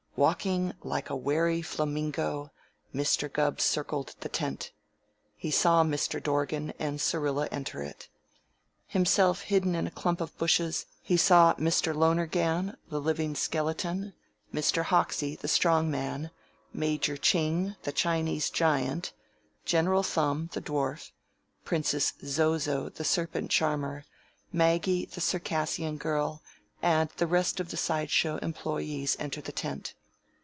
Walking like a wary flamingo, Mr. Gubb circled the tent. He saw Mr. Dorgan and Syrilla enter it. Himself hidden in a clump of bushes, he saw Mr. Lonergan, the Living Skeleton; Mr. Hoxie, the Strong Man; Major Ching, the Chinese Giant; General Thumb, the Dwarf; Princess Zozo, the Serpent Charmer; Maggie, the Circassian Girl; and the rest of the side show employees enter the tent.